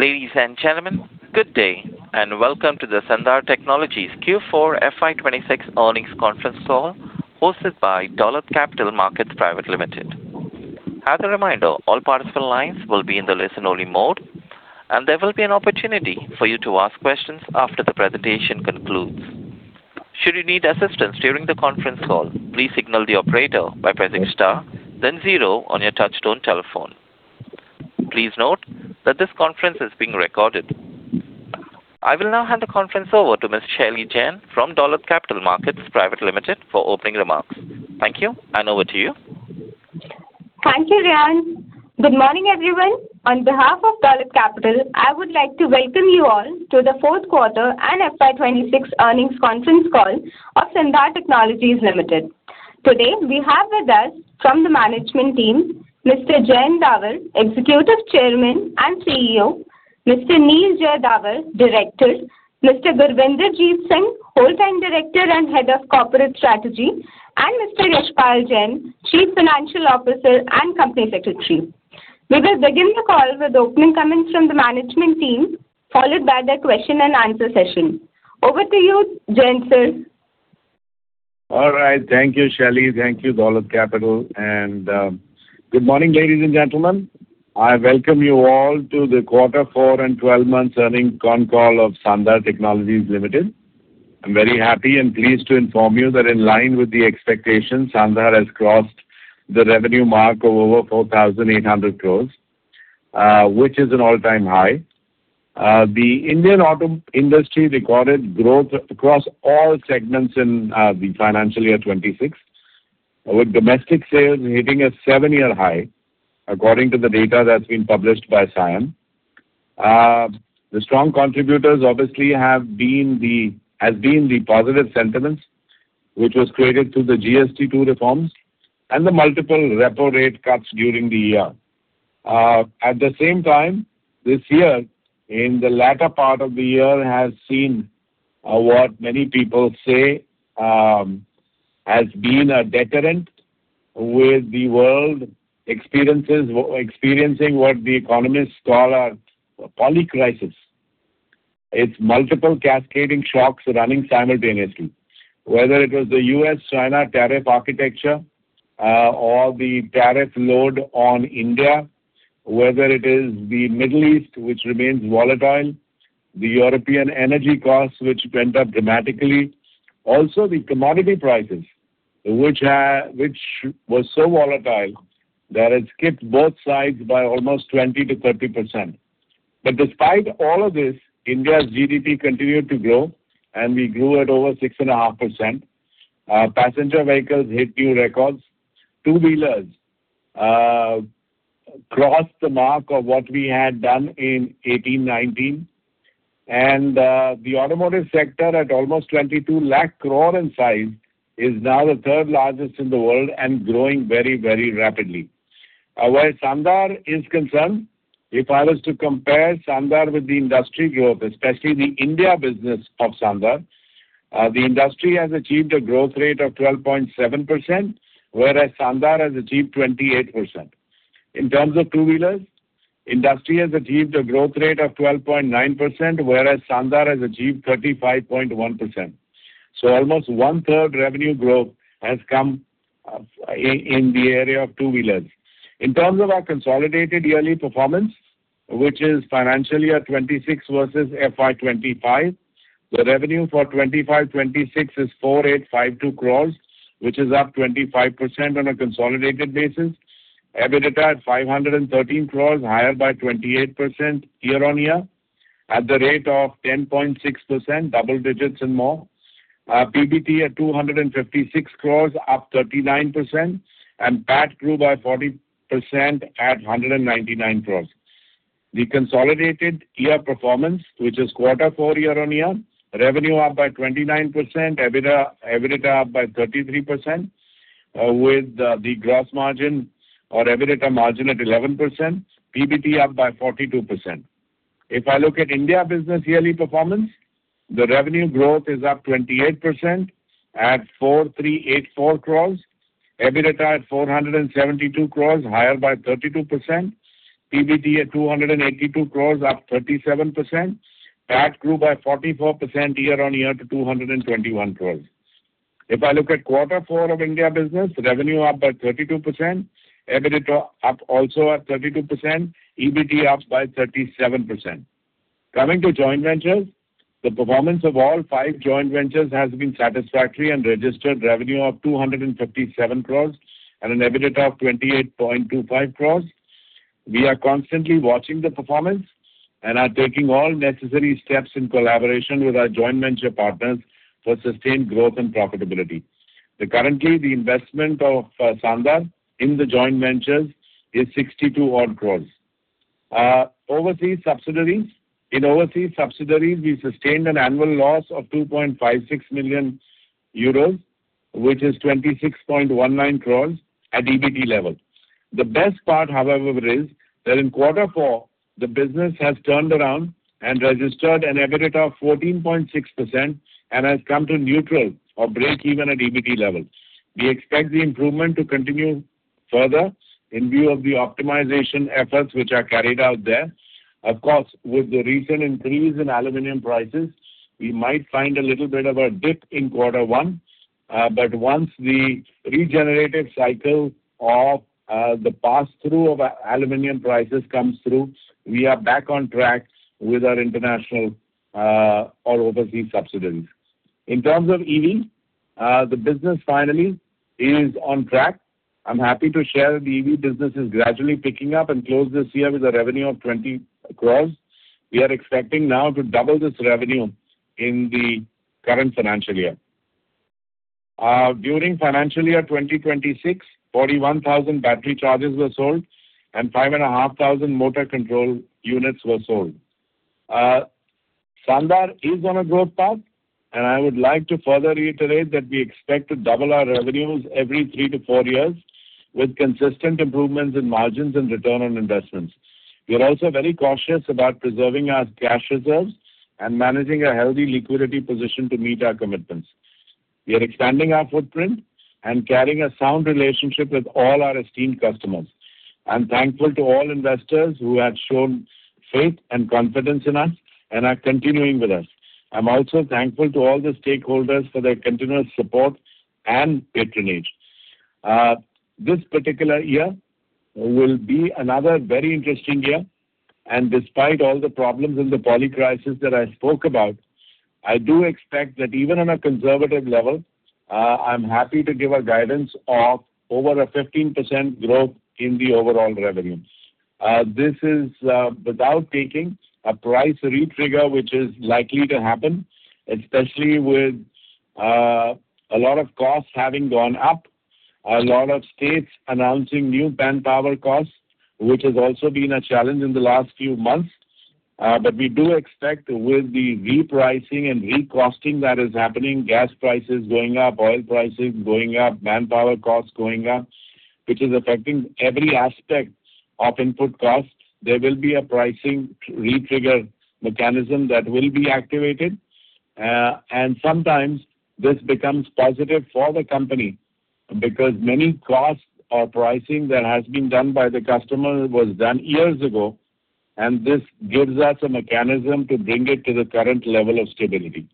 Ladies and gentlemen, good day and welcome to the Sandhar Technologies Q4 FY 2026 earnings conference call hosted by Dolat Capital Market Private Limited. As a reminder, all participants' lines will be in the listen-only mode, and there will be an opportunity for you to ask questions after the presentation concludes. Should you need assistance during the conference call, please signal the operator by pressing star then zero on your touchtone telephone. Please note that this conference is being recorded. I will now hand the conference over to Ms. Shailly Jain from Dolat Capital Market Private Limited for opening remarks. Thank you, and over to you. Thank you, Ryan. Good morning, everyone. On behalf of Dolat Capital, I would like to welcome you all to the fourth quarter and FY 2026 earnings conference call of Sandhar Technologies Limited. Today, we have with us from the management team, Mr. Jayant Davar, Executive Chairman and Chief Executive Officer, Mr. Neel Jay Davar, Director, Mr. Gurvinder Jeet Singh, Whole-Time Director and Head of Corporate Strategy, and Mr. Yashpal Jain, Chief Financial Officer and Company Secretary. We will begin the call with opening comments from the management team, followed by the question and answer session. Over to you, Jayant, sir. All right. Thank you, Shailly. Thank you, Dolat Capital. Good morning, ladies and gentlemen. I welcome you all to the Quarter Four and 12 Months Earnings Con Call of Sandhar Technologies Limited. I'm very happy and pleased to inform you that in line with the expectations, Sandhar has crossed the revenue mark of over 4,800 crores, which is an all-time high. The Indian auto industry recorded growth across all segments in the financial year 2026, with domestic sales hitting a seven-year high according to the data that's been published by SIAM. The strong contributors obviously have been the positive sentiments, which was created through the GST 2.0 reforms and the multiple repo rate cuts during the year. At the same time, this year, in the latter part of the year, has seen what many people say has been a deterrent with the world experiencing what the economists call a polycrisis. It's multiple cascading shocks running simultaneously, whether it was the U.S.-China tariff architecture, or the tariff load on India, whether it is the Middle East, which remains volatile, the European energy costs, which went up dramatically. Also, the commodity prices, which was so volatile that it skipped both sides by almost 20%-30%. Despite all of this, India's GDP continued to grow, and we grew at over 6.5%. Passenger vehicles hit new records. Two-wheelers crossed the mark of what we had done in 2018/2019. The automotive sector at almost 22 lakh crore in size is now the third largest in the world and growing very rapidly. Where Sandhar is concerned, if I was to compare Sandhar with the industry growth, especially the India business of Sandhar, the industry has achieved a growth rate of 12.7%, whereas Sandhar has achieved 28%. In terms of two-wheelers, the industry has achieved a growth rate of 12.9%, whereas Sandhar has achieved 35.1%. Almost 1/3 revenue growth has come in the area of two-wheelers. In terms of our consolidated yearly performance, which is FY 2026 versus FY 2025, the revenue for 2025/26 is 4,852 crores, which is up 25% on a consolidated basis. EBITDA at 513 crores, higher by 28% year on year at the rate of 10.6%, double digits and more. PBT at 256 crores, up 39%, and PAT grew by 40% at 199 crores. The consolidated year performance, which is quarter four year-on-year, revenue up by 29%, EBITDA up by 33%, with the gross margin or EBITDA margin at 11%, PBT up by 42%. If I look at India business yearly performance, the revenue growth is up 28% at 4,384 crores. EBITDA at 472 crores, higher by 32%. PBT at 282 crores, up 37%. PAT grew by 44% year-on-year to 221 crores. If I look at quarter four of India business, revenue up by 32%, EBITDA up also at 32%, EBT up by 37%. Coming to joint ventures, the performance of all five joint ventures has been satisfactory and registered revenue of 257 crores and an EBITDA of 28.25 crores. We are constantly watching the performance and are taking all necessary steps in collaboration with our joint venture partners for sustained growth and profitability. Currently, the investment of Sandhar in the joint ventures is 62 odd crores. Overseas subsidiaries. In overseas subsidiaries, we sustained an annual loss of 2.56 million euros, which is 26.19 crores at EBT level. The best part, however, is that in quarter four, the business has turned around and registered an EBITDA of 14.6% and has come to neutral or breakeven at EBT level. We expect the improvement to continue. Further, in view of the optimization efforts which are carried out there, of course, with the recent increase in aluminum prices, we might find a little bit of a dip in quarter one. Once the regenerated cycle of the passthrough of aluminum prices comes through, we are back on track with our international or overseas subsidiaries. In terms of EV, the business finally is on track. I'm happy to share that the EV business is gradually picking up and closed this year with a revenue of 20 crore. We are expecting now to double this revenue in the current financial year. During FY 2026, 41,000 battery chargers were sold and 5,500 motor control units were sold. Sandhar is on a growth path, and I would like to further reiterate that we expect to double our revenues every three-four years with consistent improvements in margins and return on investments. We are also very cautious about preserving our cash reserves and managing a healthy liquidity position to meet our commitments. We are expanding our footprint and carrying a sound relationship with all our esteemed customers. I'm thankful to all investors who have shown faith and confidence in us and are continuing with us. I'm also thankful to all the stakeholders for their continuous support and patronage. This particular year will be another very interesting year and despite all the problems in the polycrisis that I spoke about, I do expect that even on a conservative level, I'm happy to give a guidance of over a 15% growth in the overall revenues. This is without taking a price re-trigger, which is likely to happen, especially with a lot of costs having gone up, a lot of states announcing new manpower costs, which has also been a challenge in the last few months. We do expect with the repricing and re-costing that is happening, gas prices going up, oil prices going up, manpower costs going up, which is affecting every aspect of input costs. There will be a pricing re-trigger mechanism that will be activated. Sometimes this becomes positive for the company because many costs or pricing that has been done by the customer was done years ago, and this gives us a mechanism to bring it to the current level of stability.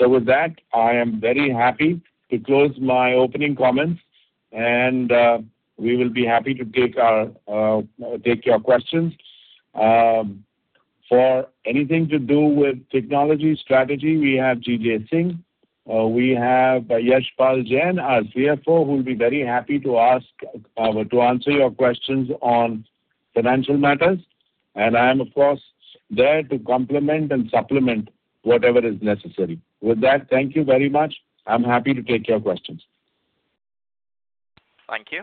With that, I am very happy to close my opening comments, and we will be happy to take your questions. For anything to do with technology strategy, we have GJ Singh. We have Yashpal Jain, our CFO, who will be very happy to answer your questions on financial matters. I'm, of course, there to complement and supplement whatever is necessary. With that, thank you very much. I'm happy to take your questions. Thank you.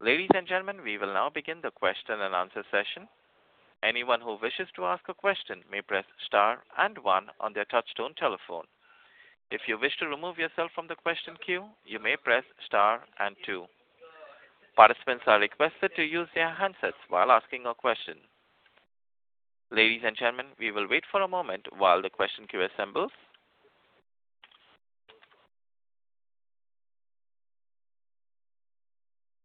Ladies and gentlemen we will now begin the question and answer question. Anyone who wishes to ask a question may press star and one on their touchtone telephone. If you wish to remove yourself from the telephone queue you may press star and two. Participants are requested to use their handset while asking a question. Ladies and gentlemen we will wait for a moment for the question queue to assemble.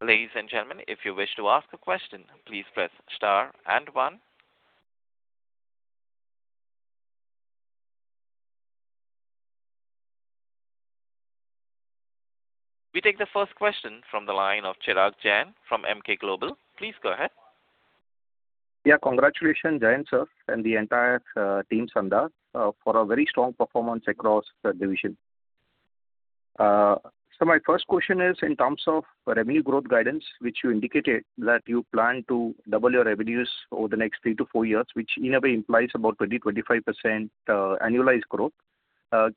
Ladies and gentlemen if you wish to ask a question please press star and one. We take the first question from the line of Chirag Jain from Emkay Global. Please go ahead. Congratulations, Jayant sir, and the entire team Sandhar for a very strong performance across the division. My first question is in terms of revenue growth guidance, which you indicated that you plan to double your revenues over the next three-four years, which in a way implies about 20%-25% annualized growth.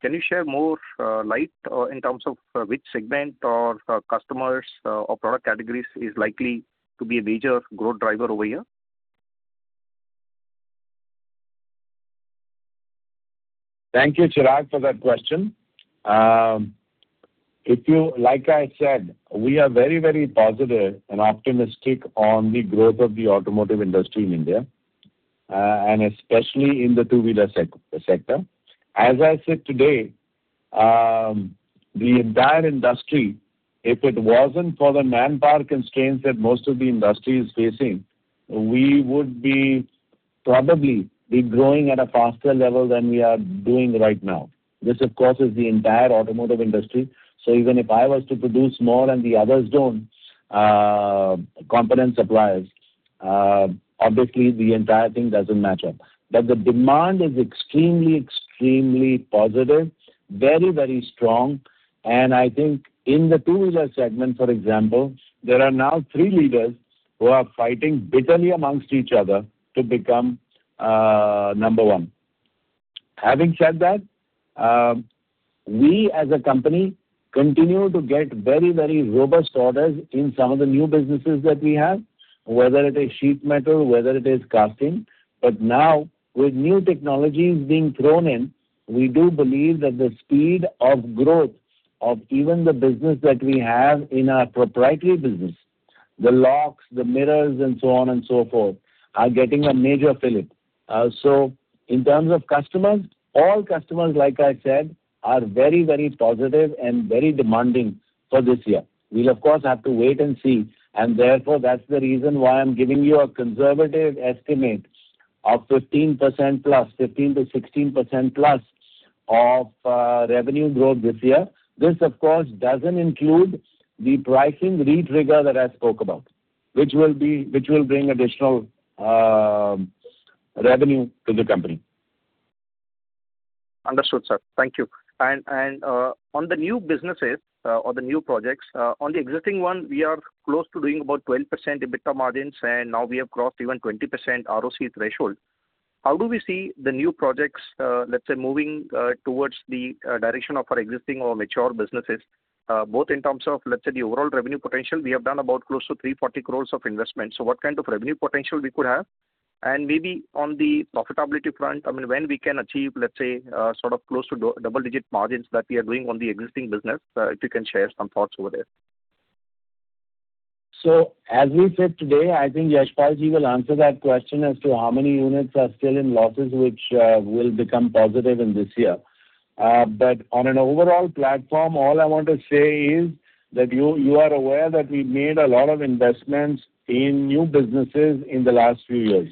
Can you share more light in terms of which segment or customers or product categories is likely to be a major growth driver over here? Thank you, Chirag, for that question. Like I said, we are very positive and optimistic on the growth of the automotive industry in India, especially in the two-wheeler sector. As I said today, the entire industry, if it wasn't for the manpower constraints that most of the industry is facing, we would probably growing at a faster level than we are doing right now. This, of course, is the entire automotive industry. Even if I was to produce more and the others don't, component suppliers, obviously the entire thing doesn't match up. The demand is extremely positive, very strong. I think in the two-wheeler segment, for example, there are now three leaders who are fighting bitterly amongst each other to become number one. Having said that, we as a company continue to get very robust orders in some of the new businesses that we have, whether it is sheet metal, whether it is casting. Now with new technologies being thrown in, we do believe that the speed of growth of even the business that we have in our proprietary business, the locks, the mirrors, and so on and so forth, are getting a major fillip. In terms of customers, all customers, like I said, are very positive and very demanding for this year. We of course have to wait and see. Therefore, that's the reason why I'm giving you a conservative estimate of 15%+, 15% to 16%+ of revenue growth this year. This, of course, doesn't include the pricing re-trigger that I spoke about, which will bring additional revenue to the company. Understood, sir. Thank you. On the new businesses, on the new projects, on the existing one, we are close to doing about 12% EBITDA margins, and now we have crossed even 20% ROC threshold. How do we see the new projects, let’s say, moving towards the direction of our existing or mature businesses, both in terms of, let’s say, the overall revenue potential? We have done about close to 340 crores of investment. What kind of revenue potential we could have? Maybe on the profitability front, I mean, when we can achieve, let’s say, sort of close to double-digit margins that we are doing on the existing business. If you can share some thoughts over there. As we said today, I think Yashpal Jain will answer that question as to how many units are still in losses, which will become positive in this year. On an overall platform, all I want to say is that you are aware that we’ve made a lot of investments in new businesses in the last few years,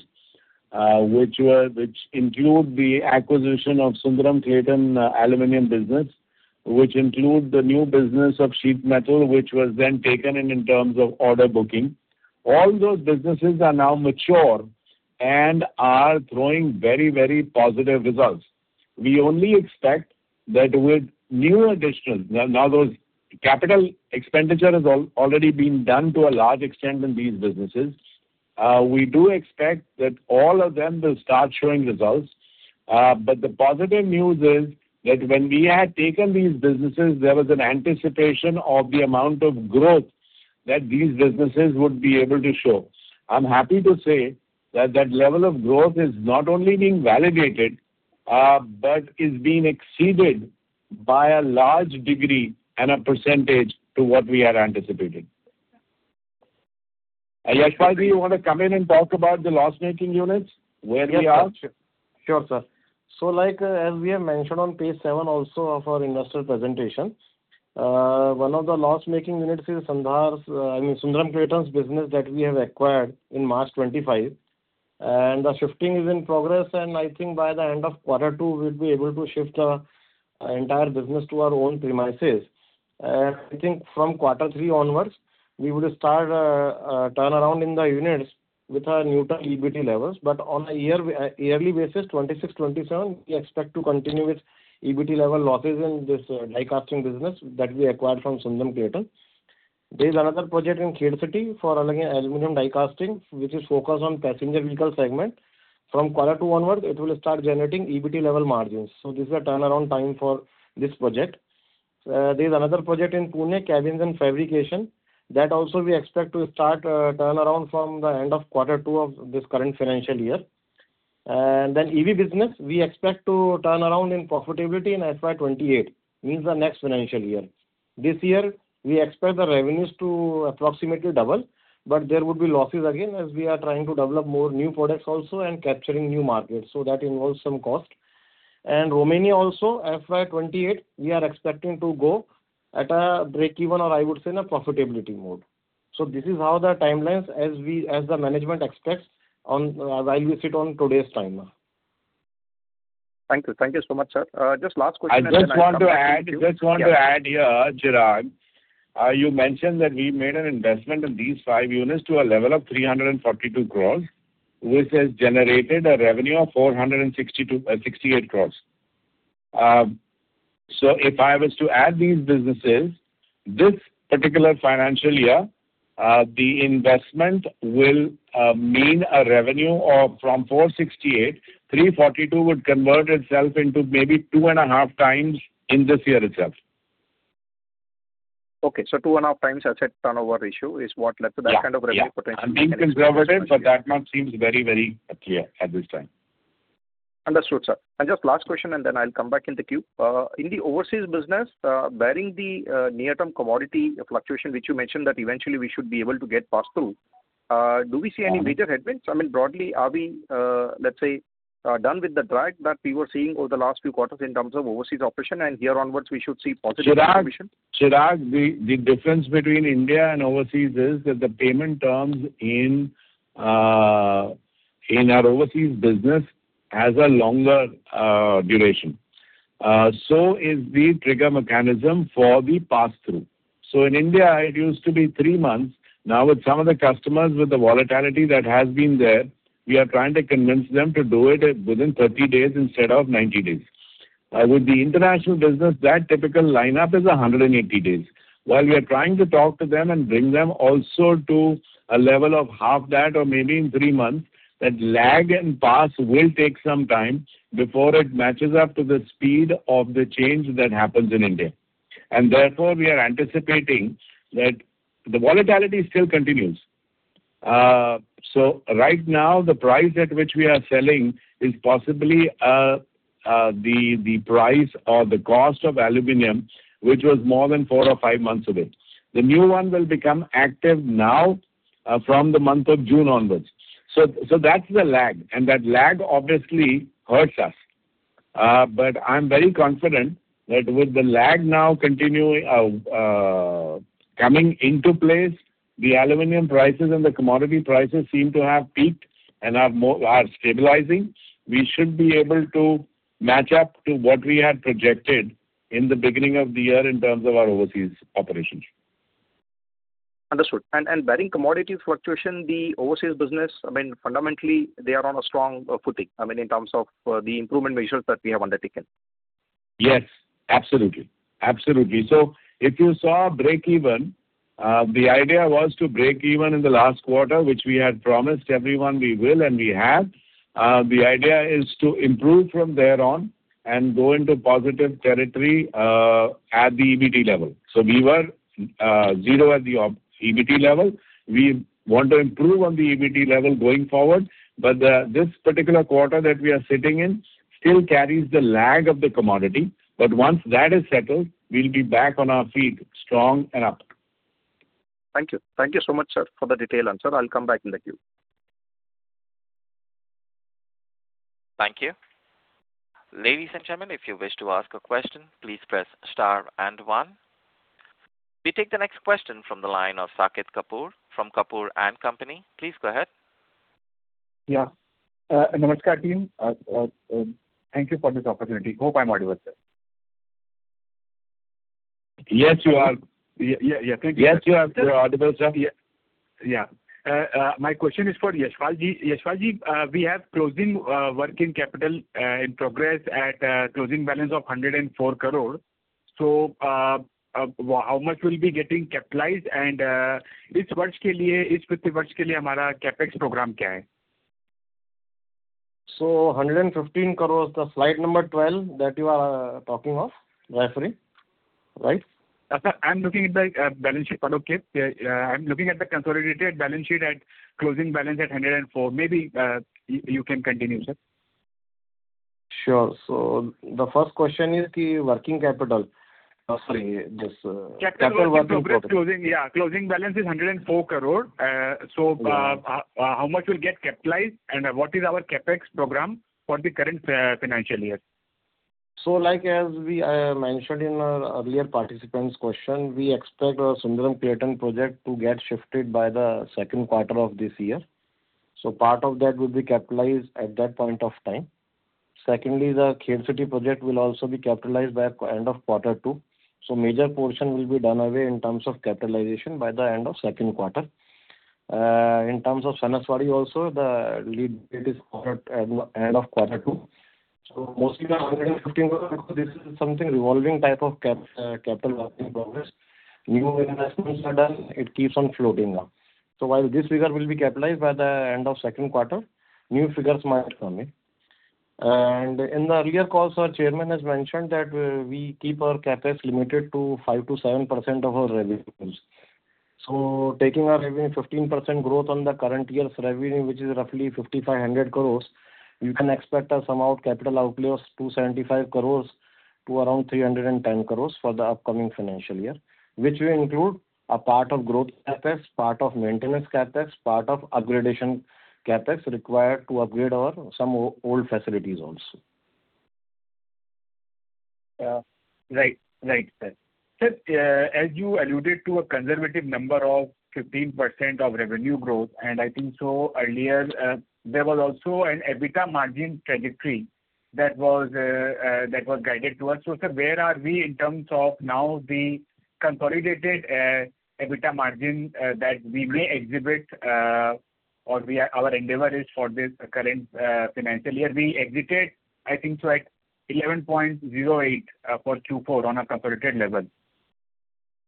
which include the acquisition of Sundaram-Clayton's aluminum die casting business, which include the new business of sheet metal, which was then taken in terms of order booking. All those businesses are now mature and are throwing very positive results. We only expect that with new additions. Those capital expenditure has already been done to a large extent in these businesses. We do expect that all of them will start showing results. The positive news is that when we had taken these businesses, there was an anticipation of the amount of growth that these businesses would be able to show. I'm happy to say that that level of growth is not only being validated, but is being exceeded by a large degree and a percentage to what we had anticipated. Yashpal Jain, you want to come in and talk about the loss-making units, where we are? Sure, sir. As we have mentioned on page seven also of our investor presentation, one of the loss-making units is Sundaram-Clayton's business that we have acquired in March 2025, and the shifting is in progress, and I think by the end of quarter two, we'll be able to shift the entire business to our own premises. I think from quarter three onwards, we would start a turnaround in the units with our new EBITDA levels. On a yearly basis, 2026, 2027, we expect to continue with EBT level losses in this die casting business that we acquired from Sundaram-Clayton. There is another project in Khed City for aluminum die casting, which is focused on the passenger vehicle segment. From quarter two onward, it will start generating EBT level margins. This is a turnaround time for this project. There's another project in Pune, cabins and fabrication. That also we expect to start turnaround from the end of quarter two of this current financial year. EV business, we expect to turn around in profitability in FY 2028, means the next financial year. This year, we expect the revenues to approximately double, but there will be losses again as we are trying to develop more new products also and capturing new markets. That involves some cost. Romania also, FY 2028, we are expecting to go at a breakeven or I would say in a profitability mode. This is how the timelines as the management expects while you sit on today’s timer. Thank you. Thank you so much, sir. Just last question. I just want to add here, Chirag, you mentioned that we made an investment in these five units to a level of 342 crores, which has generated a revenue of 468 crores. If I was to add these businesses this particular financial year, the investment will mean a revenue of from 468, 342 would convert itself into maybe 2.5x in this year itself. Okay. 2.5x asset turnover ratio is what that kind of revenue potential. I’m being conservative, but that now seems very clear at this time. Understood, sir. Just last question and then I’ll come back in the queue. In the overseas business, barring the near-term commodity fluctuation, which you mentioned that eventually we should be able to get pass-through, do we see any major headwinds? I mean, broadly, are we, let’s say, done with the drag that we were seeing over the last few quarters in terms of overseas operation, and here onwards we should see positive contribution? Chirag, the difference between India and overseas is that the payment terms in our overseas business has a longer duration. Is the trigger mechanism for the pass-through. In India, it used to be three months. Now with some of the customers, with the volatility that has been there, we are trying to convince them to do it within 30 days instead of 90 days. With the international business, that typical line-up is 180 days. While we are trying to talk to them and bring them also to a level of half that or maybe in three months, that lag and pass will take some time before it matches up to the speed of the change that happens in India. Therefore, we are anticipating that the volatility still continues. Right now, the price at which we are selling is possibly the price or the cost of aluminum, which was more than four or five months away. The new one will become active now from the month of June onwards. That's the lag, and that lag obviously hurts us. I'm very confident that with the lag now coming into place, the aluminum prices and the commodity prices seem to have peaked and are stabilizing. We should be able to match up to what we had projected in the beginning of the year in terms of our overseas operations. Understood. Barring commodity fluctuation, the overseas business, fundamentally, they are on a strong footing in terms of the improvement measures that we have undertaken. Yes, absolutely. If you saw breakeven, the idea was to breakeven in the last quarter, which we had promised everyone we will, and we have. The idea is to improve from there on and go into positive territory at the EBT level. We were zero at the EBT level. We want to improve on the EBT level going forward, this particular quarter that we are sitting in still carries the lag of the commodity. Once that is settled, we will be back on our feet, strong and up. Thank you. Thank you so much, sir, for the detail. Sir, I'll come back with you. Thank you. Ladies and gentlemen, if you wish to ask a question, please press star and 1. We take the next question from the line of Saket Kapoor from Kapoor & Company. Please go ahead. Yeah. Namaskar team. Thank you for this opportunity. Hope I am audible, sir. Yes, you are. Yeah. Yes, you are audible, sir. My question is for Yashpal Jain. Yashpal Jain, we have closing work in capital in progress at a closing balance of 104 crore. How much will be getting capitalized and CapEx program? 115 crore, the slide number 12 that you are talking of, roughly. Right? Sir, I'm looking at the balance sheet. Okay. I'm looking at the consolidated balance sheet at closing balance at 104 crore. Maybe you can continue, sir. Sure. The first question is the working capital. Sorry. This working capital. Closing balance is 104 crore. How much will get capitalized, and what is our CapEx program for the current financial year? As we mentioned in our earlier participant's question, we expect our Sundaram-Clayton project to get shifted by the second quarter of this year. Part of that will be capitalized at that point of time. Secondly, the Khed City project will also be capitalized by end of quarter two. Major portion will be done away in terms of capitalization by the end of second quarter. In terms of Sanaswadi also, the lead date is end of quarter two. Mostly the INR 115 crore, this is something revolving type of capital work in progress. New investments are done. It keeps on floating up. While this figure will be capitalized by the end of second quarter, new figures might come in. In the earlier calls, our chairman has mentioned that we keep our CapEx limited to 5%-7% of our revenues. Taking our 15% growth on the current year's revenue, which is roughly 5,500 crores, you can expect us amount capital outlays 275 crores to around 310 crores for the upcoming financial year. Which will include a part of growth CapEx, part of maintenance CapEx, part of upgradation CapEx required to upgrade our some old facilities also. Right, sir. Sir, as you alluded to a conservative number of 15% of revenue growth, and I think so earlier, there was also an EBITDA margin trajectory that was guided to us. Sir, where are we in terms of now the consolidated EBITDA margin that we may exhibit, or our endeavor is for this current financial year? We exited, I think so at 11.08% for Q4 on a comparative level.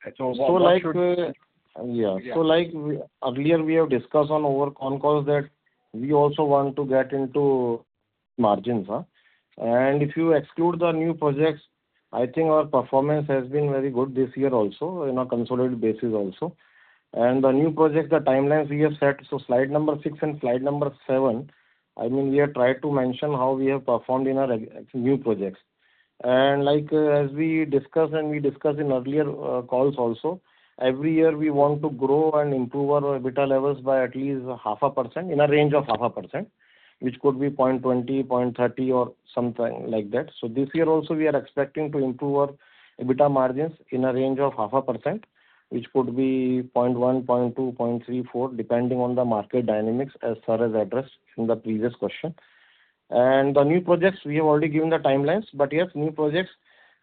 Like earlier we have discussed on calls that we also want to get into margins. If you exclude the new projects, I think our performance has been very good this year also in a consolidated basis also. The new projects, the timelines we have set. Slide number six and slide number seven, we have tried to mention how we have performed in our new projects. Like as we discussed and we discussed in earlier calls also, every year we want to grow and improve our EBITDA levels by at least 0.5%, in a range of 0.5%, which could be 0.20%, 0.30%, or something like that. This year also, we are expecting to improve our EBITDA margins in a range of 0.5%, which could be 0.1%, 0.2%, 0.34%, depending on the market dynamics as far as addressed in the previous question. The new projects, we have already given the timelines, but yes, new projects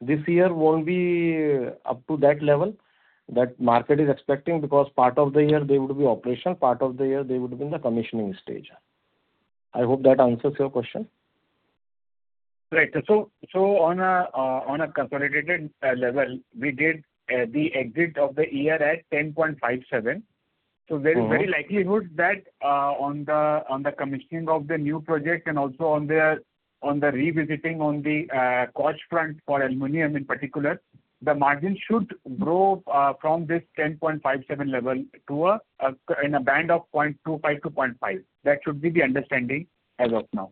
this year won't be up to that level that market is expecting because part of the year they would be operational, part of the year they would be in the commissioning stage. I hope that answers your question. Right. On a consolidated level, we did the exit of the year at 10.57%. There is very likelihood that on the commissioning of the new project and also on the revisiting on the cost front for aluminum in particular, the margin should grow from this 10.57% level to in a band of 0.25%-0.5%. That should be the understanding as of now.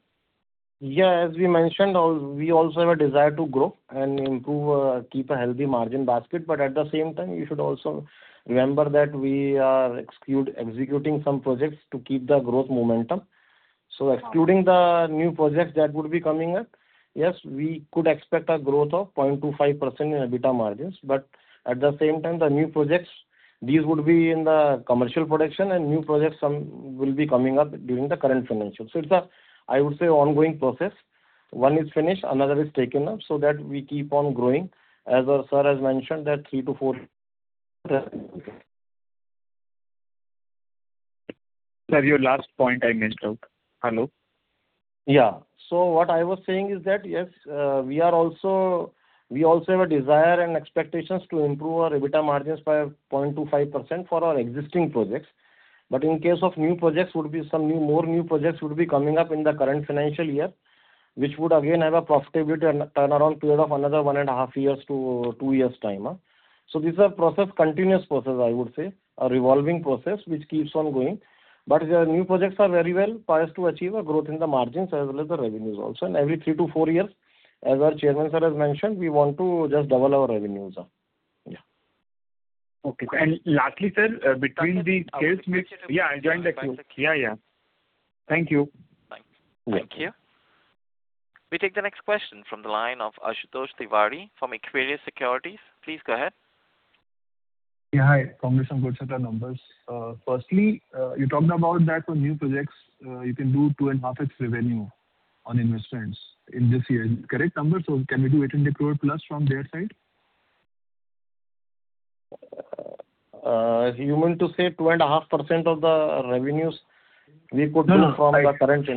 As we mentioned, we also have a desire to grow and improve, keep a healthy margin basket. At the same time, you should also remember that we are executing some projects to keep the growth momentum. Excluding the new projects that would be coming up, yes, we could expect a growth of 0.25% in EBITDA margins. At the same time, the new projects, these would be in the commercial production and new projects will be coming up during the current financial. It's a, I would say, ongoing process. One is finished, another is taken up so that we keep on growing. As sir has mentioned that [3-4] Sir, your last point I missed out. Hello? What I was saying is that, yes, we also have a desire and expectations to improve our EBITDA margins by 0.25% for our existing projects. In case of new projects, some more new projects would be coming up in the current financial year, which would again have a profitability turnaround period of another one and a half-two years' time. These are continuous process, I would say. A revolving process which keeps on going. New projects are very well poised to achieve a growth in the margins as well as the revenues also. Every three-four years, as our Chairman sir has mentioned, we want to just double our revenues. Okay. Lastly, sir, between the sales mix- Yeah, I get the picture. Yeah. Thank you. Thank you. We take the next question from the line of Ashutosh Tiwari from Equirus Securities. Please go ahead. Yeah, hi. Some good set of numbers. You talked about that for new projects, you can do two and a half its revenue on investments in this year. Correct number? Can we do 800 crore+ from that side? You mean to say 2.5% of the revenues we could do from the current-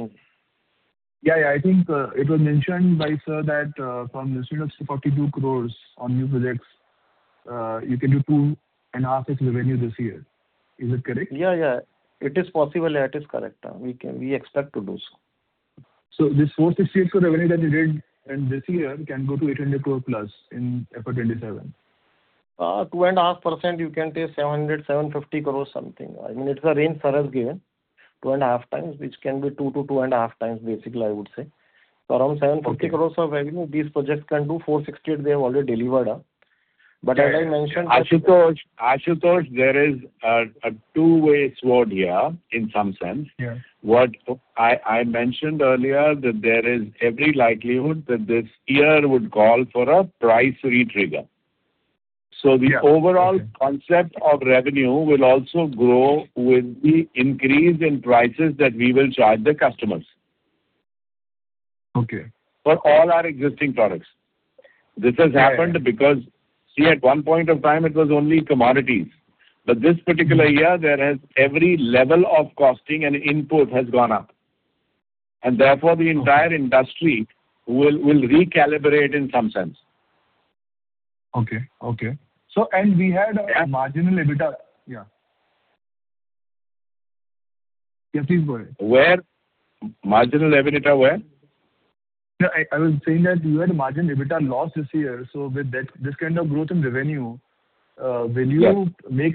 I think it was mentioned by sir that from investment of 42 crores on new projects you can do 2.5x its revenue this year. Is it correct? Yeah. It is possible. That is correct. We expect to do so. This 460 crore revenue that you did in this year can go to 800 crore+ in FY 2027? 2.5%, you can say 700 crore, 750 crore something. I mean, it's a range for us here, 2.5x, which can be 2x-2.5x basically, I would say. Around 750 crore of revenue, these projects can do 460 crore they've already delivered. Ashutosh, there is a two-way sword here in some sense. Yeah. What I mentioned earlier, that there is every likelihood that this year would call for a price retrigger. Yeah. The overall concept of revenue will also grow with the increase in prices that we will charge the customers. For all our existing products. This has happened because, see at one point of time it was only commodities, but this particular year, every level of costing and input has gone up, and therefore the entire industry will recalibrate in some sense. Okay. We had our margin EBITDA. Yeah. Yes, please go ahead. Margin EBITDA where? I was saying that you had a margin EBITDA loss this year. With this kind of growth in revenue, will you make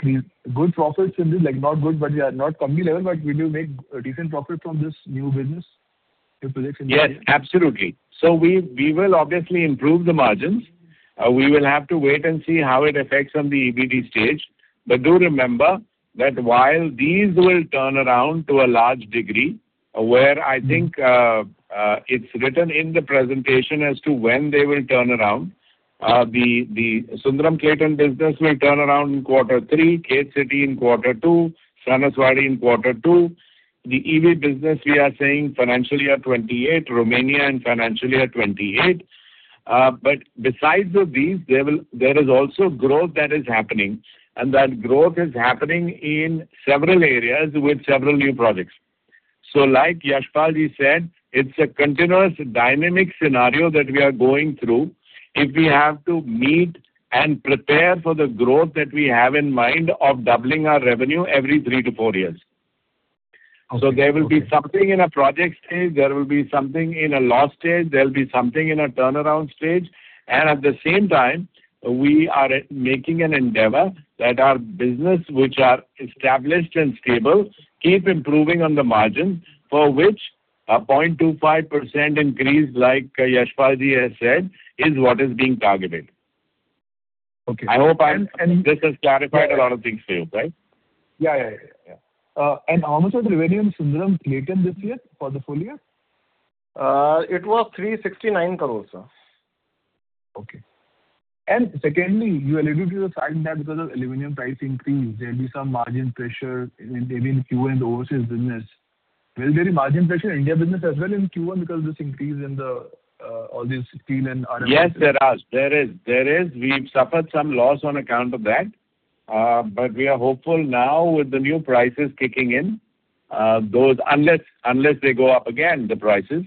good profits? Not good, but not company level, but will you make a decent profit from this new business? Yes, absolutely. We will obviously improve the margins. We will have to wait and see how it affects on the EBITDA stage. Do remember that while these will turn around to a large degree, where I think it's written in the presentation as to when they will turn around. The Sundaram-Clayton business will turn around in Q3, Khed City in Q2, Sanaswadi in Q2. The EV business we are saying FY 2028, Romania in FY 2028. Besides these, there is also growth that is happening, and that growth is happening in several areas with several new projects. Like Yashpal Jain said, it's a continuous dynamic scenario that we are going through if we have to meet and prepare for the growth that we have in mind of doubling our revenue every three to four years. Okay. There will be something in a project stage, there will be something in a loss stage, there will be something in a turnaround stage. At the same time, we are making an endeavor that our business, which are established and stable, keep improving on the margin, for which a 0.25% increase, like Yashpal Jain has said, is what is being targeted. Okay. I hope this has clarified a lot of things for you, right? Yeah. How much is the revenue in Sundaram-Clayton this year for the full year? It was 369 crores, sir. Okay. Secondly, you already stated that because of aluminum price increase, there'll be some margin pressure in Q1 overseas business. Will there be margin pressure India business as well in Q1 because this increase in the raw material? Yes, there is. We've suffered some loss on account of that. We are hopeful now with the new prices kicking in. Unless they go up again, the prices,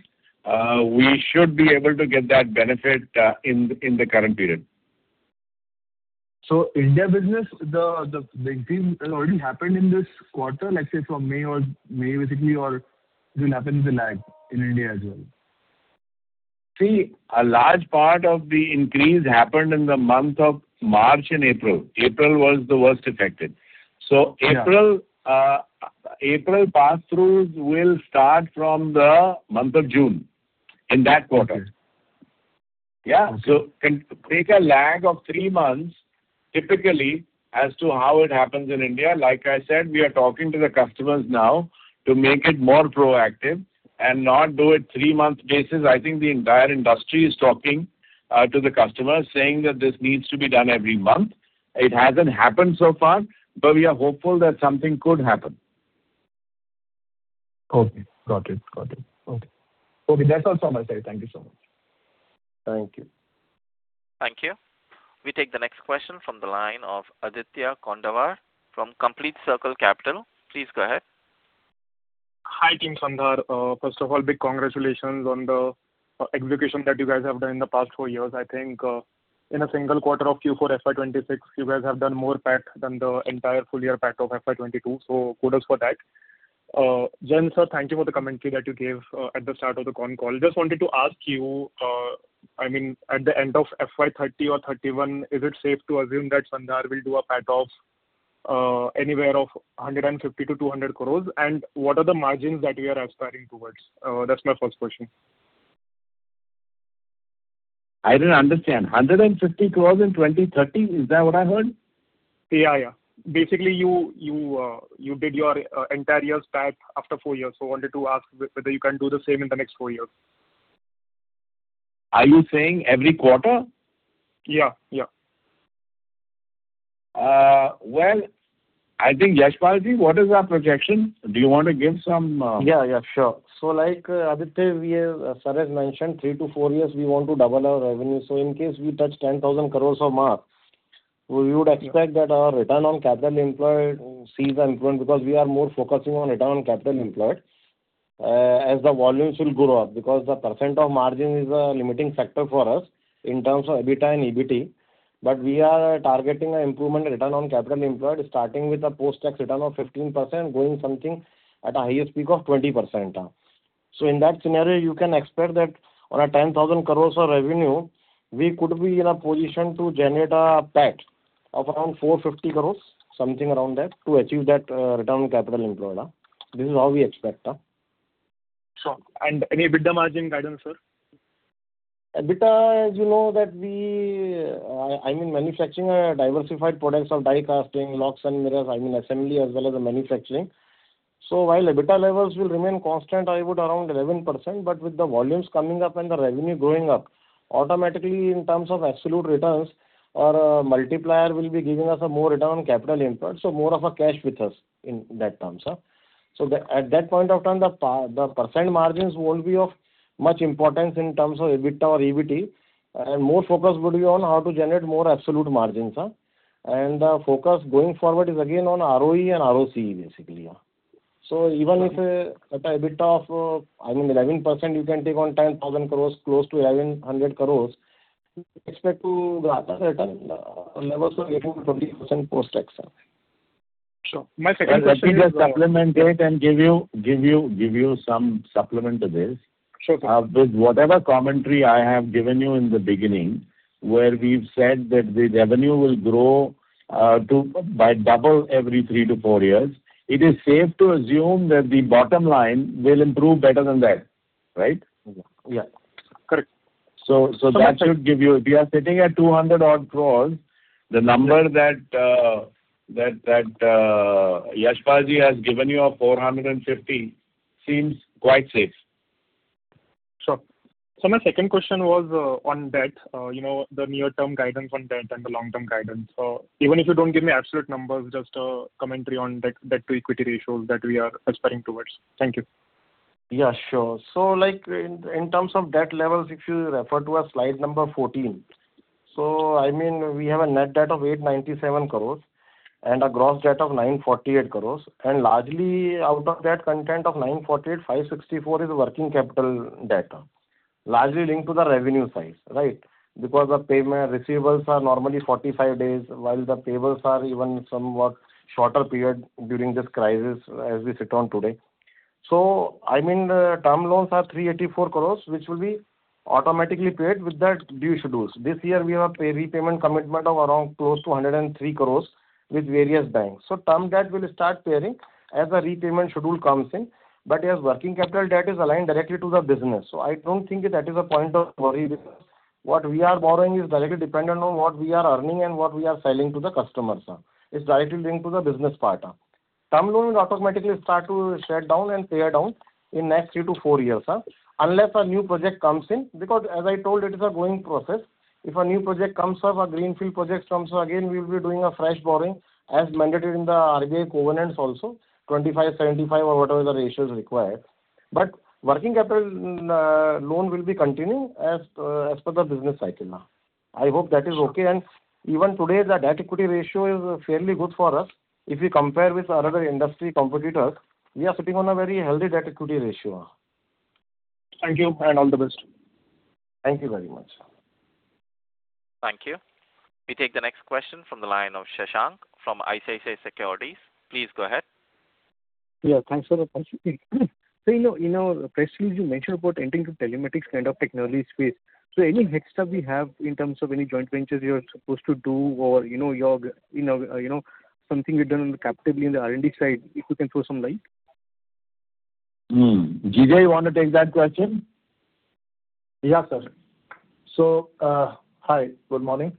we should be able to get that benefit in the current period. India business, the big thing has already happened in this quarter, let's say from May basically, or it will happen with lag in India as well? A large part of the increase happened in the month of March and April. April was the worst affected. Yeah. April pass-throughs will start from the month of June, in that quarter. Okay. Yeah. Can take a lag of three months, typically, as to how it happens in India. Like I said, we are talking to the customers now to make it more proactive and not do it three-month basis. I think the entire industry is talking to the customers, saying that this needs to be done every month. It hasn't happened so far, but we are hopeful that something could happen. Okay. Got it. Okay. That's all from my side. Thank you so much. Thank you. Thank you. We take the next question from the line of Aditya Kondawar from Complete Circle Capital. Please go ahead. Hi, team Sandhar. First of all, big congratulations on the execution that you guys have done in the past four years. I think in a single quarter of Q4 FY 2026, you guys have done more PAT than the entire full year PAT of FY 2022. Kudos for that. Jain Sir, thank you for the commentary that you gave at the start of the call. Just wanted to ask you, at the end of FY 2030 or 2031, is it safe to assume that Sandhar will do a PAT of anywhere of 150 crore-200 crore? What are the margins that you are aspiring towards? That's my first question. I didn't understand. 150 crores in 2030, is that what I heard? Yeah. Basically, you did your entire year's PAT after four years. I wanted to ask whether you can do the same in the next four years. Are you saying every quarter? Yeah. Well, I think Yashpal Jain, what is our projection? Aditya Kondawar has mentioned, three-four years, we want to double our revenue. If we touch 10,000 crore a month, we would expect that our return on capital employed sees improvement because we are more focusing on return on capital employed. As the volumes will go up, because the percent of margin is a limiting factor for us in terms of EBITDA and EBT. We are targeting an improvement return on capital employed, starting with a post-tax return of 15%, going something at a highest peak of 20%. In that scenario, you can expect that on a 10,000 crore of revenue, we could be in a position to generate a PAT of around 450 crore, something around that, to achieve that return on capital employed. This is how we expect. Sure. Any EBITDA margin guidance, sir? EBITDA, as you know that we I mean, manufacturing are diversified products of die casting, locks, and mirrors, assembly as well as manufacturing. While EBITDA levels will remain constant, around 11%, but with the volumes coming up and the revenue going up, automatically in terms of absolute returns, our multiplier will be giving us a more return on capital employed, so more of a cash with us in that terms. At that point of time, the percent margins won't be of much importance in terms of EBITDA or EBT. More focus will be on how to generate more absolute margins. The focus going forward is again on ROE and ROC basically. Even if at the EBITDA of 11%, you can take on 10,000 crores close to 1,100 crores, expect to return levels of 18%-20% post-tax. Sure. My second question. Let me just supplement it and give you some supplement to this. Sure. With whatever commentary I have given you in the beginning, where we've said that the revenue will grow by double every three to four years, it is safe to assume that the bottom line will improve better than that, right? Yeah. Correct. That should give you. We are sitting at 200 odd crores. The number that Yashpalji has given you of 450 seems quite safe. Sure. Sir, my second question was on debt. The near-term guidance on debt and the long-term guidance. Even if you don't give me absolute numbers, just a commentary on debt to equity ratios that we are aspiring towards. Thank you. Yeah, sure. In terms of debt levels, if you refer to our slide 14. We have a net debt of 897 crores and a gross debt of 948 crores. Largely out of that content of 948 crores, 564 crores is working capital debt, largely linked to the revenue size, right? Because the payment receivables are normally 45 days, while the payables are even somewhat shorter period during this crisis as we sit on today. Term loans are 384 crores, which will be automatically paid with that due schedules. This year, we have a repayment commitment of around close to 103 crores with various banks. Term debt will start paying as the repayment schedule comes in. Yes, working capital debt is aligned directly to the business. I don't think that is a point of worry. What we are borrowing is directly dependent on what we are earning and what we are selling to the customers. It's directly linked to the business part. Term loans automatically start to shed down and pay down in next three to four years. Unless a new project comes in, because as I told you, it's a going process. If a new project comes up, a greenfield project comes up, again, we will be doing a fresh borrowing as mandated in the RGA covenants also, 25, or whatever the ratios required. Working capital loan will be continuing as per the business cycle. I hope that is okay. Even today, that debt equity ratio is fairly good for us. If you compare with our other industry competitors, we are sitting on a very healthy debt equity ratio. Thank you, and all the best. Thank you very much. Thank you. We take the next question from the line of Shashank from ICICI Securities. Please go ahead. Yeah, [counselor]. In our press release, you mentioned about entering into telematics kind of technology space. Any next step we have in terms of any joint ventures you are supposed to do or something you've done captively in the R&D side, if you can throw some light? G.J., you want to take that question? Yeah, sir. Hi, good morning.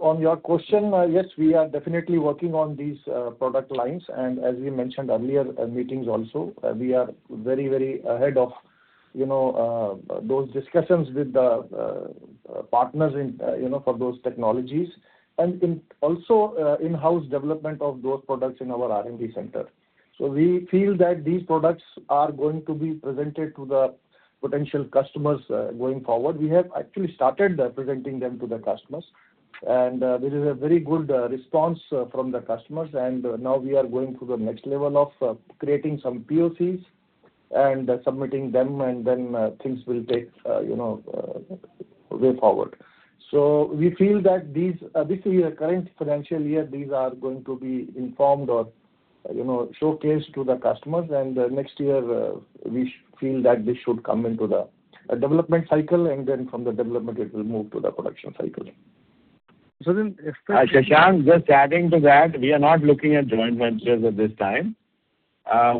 On your question, yes, we are definitely working on these product lines, and as we mentioned earlier in meetings also, we are very ahead of those discussions with the partners for those technologies and also in-house development of those products in our R&D center. We feel that these products are going to be presented to the potential customers going forward. We have actually started presenting them to the customers, and there is a very good response from the customers, and now we are going to the next level of creating some POCs and submitting them, and then things will take way forward. We feel that our current financial year, these are going to be informed or showcased to the customers, and next year we feel that they should come into the development cycle, and then from the development, it will move to the production cycle. So then- Shashank, just adding to that, we are not looking at joint ventures at this time.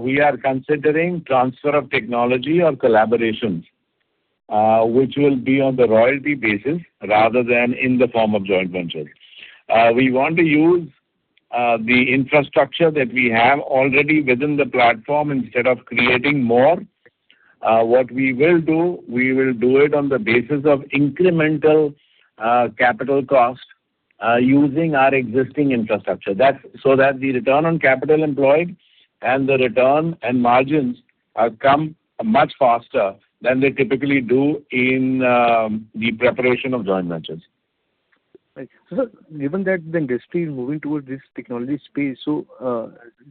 We are considering transfer of technology or collaborations, which will be on the royalty basis rather than in the form of joint ventures. We want to use the infrastructure that we have already within the platform instead of creating more. What we will do, we will do it on the basis of incremental capital cost using our existing infrastructure, so that the return on capital employed and the return and margins come much faster than they typically do in the preparation of joint ventures. Right. Sir, given that the industry is moving towards this technology space, do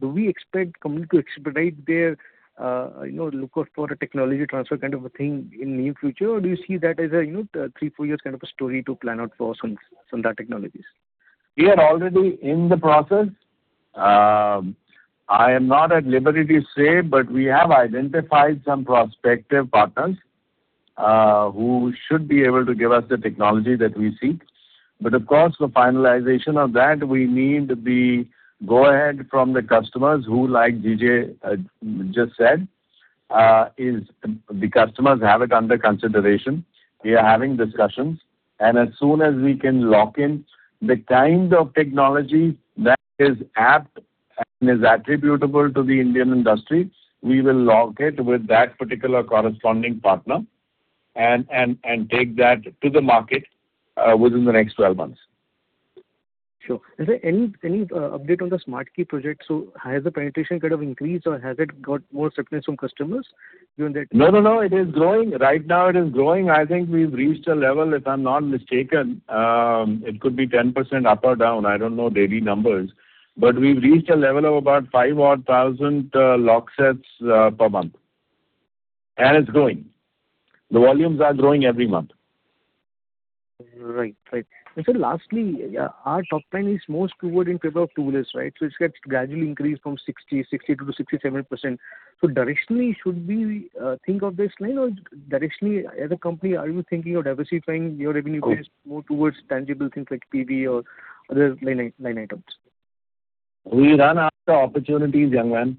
we expect company to accelerate their lookout for a technology transfer kind of a thing in the near future? Or do you see that as a three, four years kind of a story to plan out for Sandhar Technologies? We are already in the process. I am not at liberty to say, but we have identified some prospective partners who should be able to give us the technology that we seek. Of course, for finalization of that, we need the go-ahead from the customers who, like D.J. just said, the customers have it under consideration. We are having discussions, and as soon as we can lock in the kind of technology that is apt and is attributable to the Indian industry, we will lock it with that particular corresponding partner and take that to the market within the next 12 months. Sure. Is there any update on the Smart Key project? Has the penetration kind of increased or has it got more acceptance from customers? No, it is growing. Right now it is growing. I think we've reached a level, if I'm not mistaken, it could be 10% up or down, I don't know daily numbers, but we've reached a level of about 5,000 lock sets per month. It's growing. The volumes are growing every month. Right. Sir, lastly, our top line is more skewed in favor of two-wheels, right? It's got gradually increased from 60%, 62% to 67%. Directionally, should we think of this line or directionally as a company, are you thinking of diversifying your revenue base more towards tangible things like PV or other line items? We run after opportunities, young man.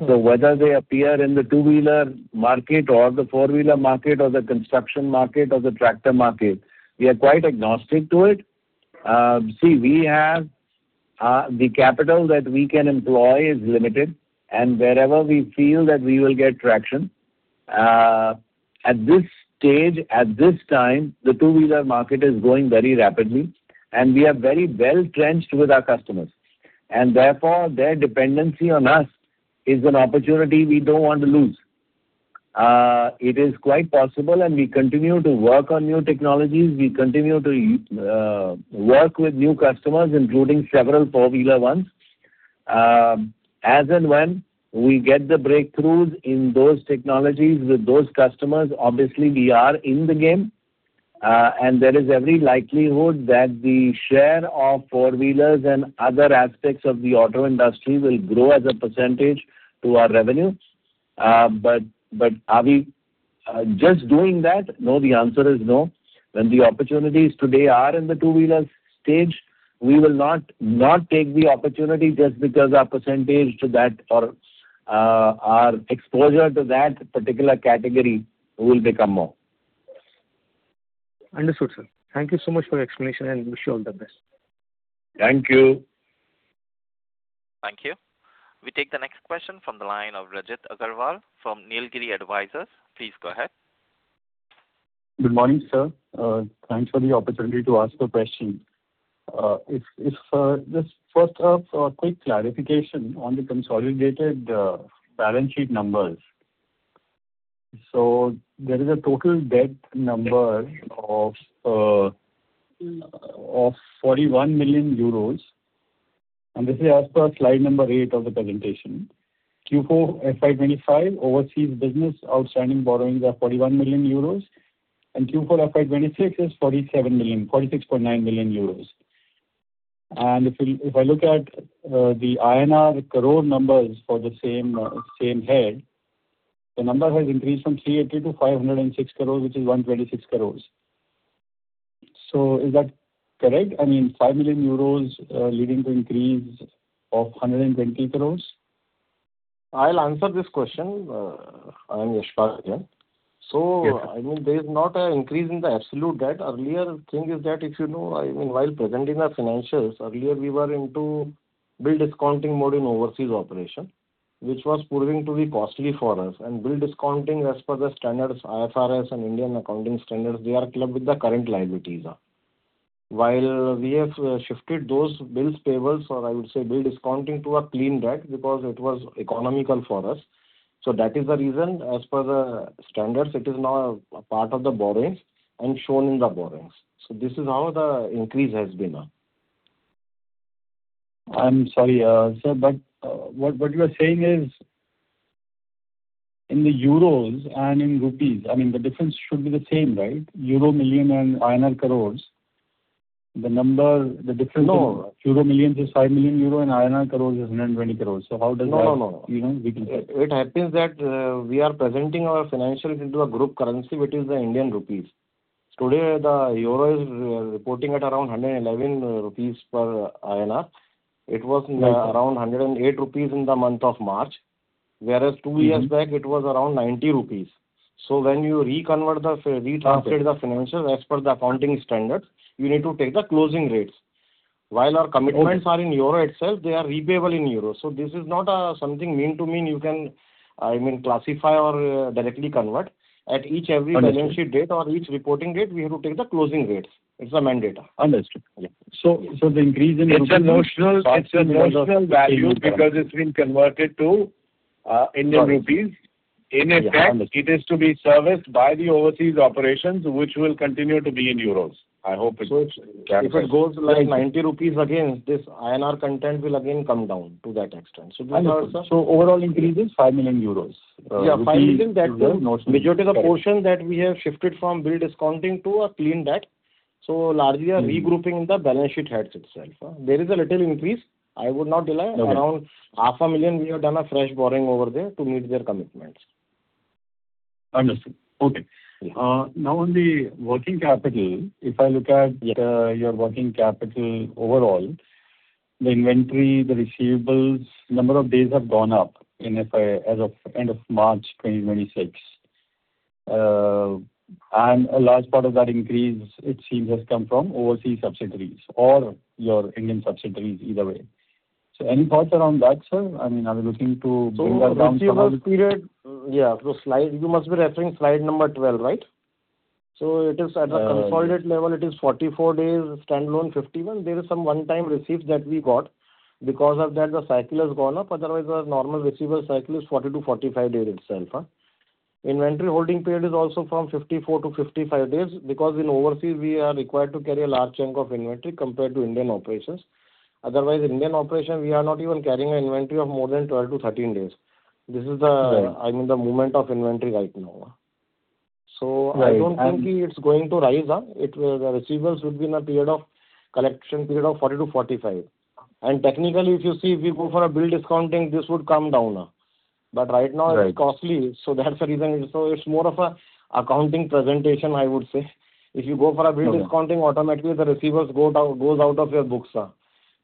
Whether they appear in the two-wheeler market or the four-wheeler market or the construction market or the tractor market, we are quite agnostic to it. The capital that we can employ is limited and wherever we feel that we will get traction. At this stage, at this time, the two-wheeler market is growing very rapidly, and we are very well trenched with our customers. Therefore, their dependency on us is an opportunity we don't want to lose. It is quite possible, and we continue to work on new technologies, we continue to work with new customers, including several four-wheeler ones. When we get the breakthroughs in those technologies with those customers, obviously, we are in the game, and there is every likelihood that the share of four-wheelers and other aspects of the auto industry will grow as a percentage to our revenue. Are we just doing that? No, the answer is no. When the opportunities today are in the two-wheeler stage, we will not take the opportunity just because our percentage to that or our exposure to that particular category will become more. Understood, sir. Thank you so much for the explanation, and wish you all the best. Thank you. Thank you. We take the next question from the line of Rajat Agarwal from Nilgiri Advisors. Please go ahead. Good morning, sir. Thanks for the opportunity to ask a question. Just for a quick clarification on the consolidated balance sheet numbers. There is a total debt number of 41 million euros. This is as per slide number eight of the presentation. Q4 FY 2025 overseas business outstanding borrowings are 41 million euros, and Q4 FY 2026 is 47 million, 46.9 million euros. If I look at the INR crore numbers for the same head, the number has increased from 380 crores to 506 crores, which is 126 crores. Is that correct? I mean, 5 million euros leading to increase of 120 crores? I'll answer this question. I'm Yashpal again. Yeah. There's not an increase in the absolute debt. Earlier thing is that if you know, while presenting our financials earlier, we were into bill discounting mode in overseas operation, which was proving to be costly for us. Bill discounting as per the standards, IFRS and Indian accounting standards, they are clubbed with the current liabilities. While we have shifted those bills payable, or I would say bill discounting to a clean debt because it was economical for us. That is the reason, as per the standards, it is now a part of the borrowings and shown in the borrowings. This is how the increase has been. I'm sorry, sir, but what you're saying is in the EUR and in INR, I mean, the difference should be the same, right? Euro million and INR crores. No euro million to 5 million euro and INR crore is 120 crore. How does that even begin? No. It happens that we are presenting our financials into a group currency, which is the Indian rupees. Today, the EUR is reporting at around 111 rupees per INR. It was around 108 rupees in the month of March, whereas two years back it was around 90 rupees. When you retranslate the financials as per the accounting standards, you need to take the closing rates. While our commitments are in EUR itself, they are repayment in EUR. This is not something mean to mean you can classify or directly convert. At each every financial date or each reporting date, we have to take the closing rates. It's a mandate. Understood. It’s a notional value because it's been converted to Indian rupees. In effect, it is to be serviced by the overseas operations, which will continue to be in euros. I hope it's clear. If it goes to 90 rupees again, this INR content will again come down to that extent. Overall increase is 5 million euros. 5 million that does major to the portion that we have shifted from bill discounting to a clean debt. Largely a regrouping the balance sheet heads itself. There is a little increase. I would not deny around INR half a million we have done a fresh borrowing over there to meet their commitments. Understood. Okay. On the working capital, if I look at your working capital overall, the inventory, the receivables, number of days have gone up as of end of March 2026. A large part of that increase it seems has come from overseas subsidiaries or your Indian subsidiaries either way. Any thought around that, sir? I mean, I'm looking to bring that down perhaps. Receivable period-- Yeah, you must be referring to slide number 12, right? At a consolidated level, it is 44 days, standalone 51. There is some one-time receipts that we got. Because of that, the cycle has gone up. Otherwise, our normal receivable cycle is 40-45 days itself. Inventory holding period is also from 54-55 days because in overseas we are required to carry a large chunk of inventory compared to Indian operations. Otherwise, Indian operations, we are not even carrying an inventory of more than 12-13 days. This is the moment of inventory right now. I don't think it's going to rise. The receivables will be in a correction period of 40-45. Technically, if you see, if we go for a bill discounting, this would come down. Right now it's costly. That's the reason. It's more of an accounting presentation, I would say. If you go for a bill discounting, automatically the receivables goes out of your books,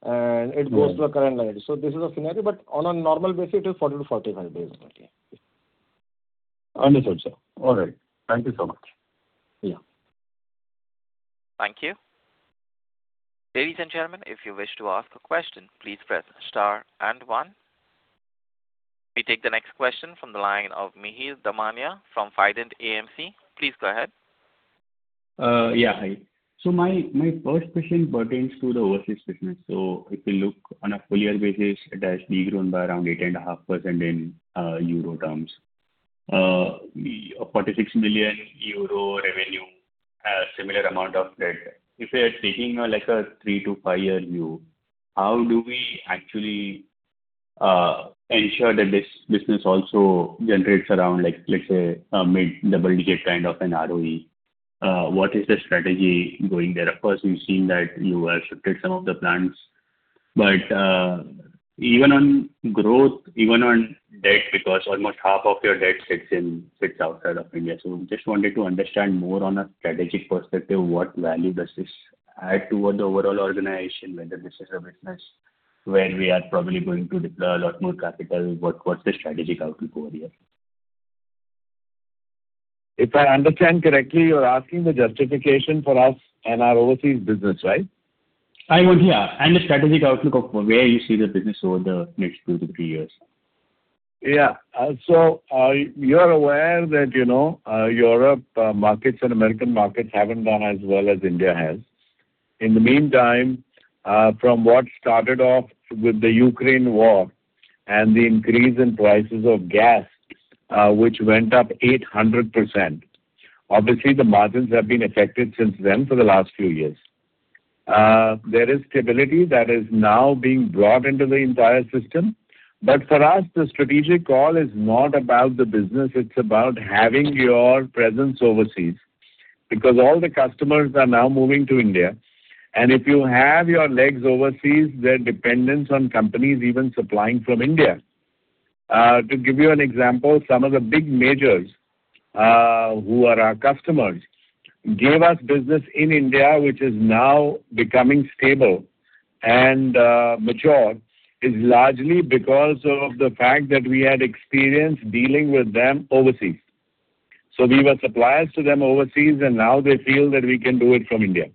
and it goes to a current liability. This is a thing, but on a normal basis, it is 40 to 45 days roughly. Understood, sir. All right. Thank you so much. Yeah. Thank you. Ladies and gentlemen, if you wish to ask a question, please press star and one. We take the next question from the line of Mihir Damania from Fident AMC. Please go ahead. Yeah, hi. My first question pertains to the overseas business. If you look on a full-year basis, it has de-grown by around 8.5% in euro terms. 46 million euro revenue, similar amount of debt. If we are taking a three-five year view, how do we actually ensure that this business also generates around, let's say, a mid-double digit kind of an ROE? What is the strategy going there? Of course, we've seen that you have shifted some of the plants, but even on growth, even on debt, because almost half of your debt sits outside of India. Just wanted to understand more on a strategic perspective, what value does this add toward the overall organization, whether this is a business where we are probably going to deploy a lot more capital, what's the strategic outlook over here? If I understand correctly, you're asking the justification for our overseas business, right? Yeah. The strategic outlook of where you see the business over the next two to three years? Yeah. You're aware that Europe markets and American markets haven't done as well as India has. In the meantime, from what started off with the Ukraine war and the increase in prices of gas, which went up 800%. Obviously, the margins have been affected since then for the last few years. There is stability that is now being brought into the entire system. For us, the strategic call is not about the business, it's about having your presence overseas, because all the customers are now moving to India, and if you have your legs overseas, their dependence on companies even supplying from India. To give you an example, some of the big majors who are our customers gave us business in India, which is now becoming stable and mature, is largely because of the fact that we had experience dealing with them overseas. We were suppliers to them overseas, and now they feel that we can do it from India.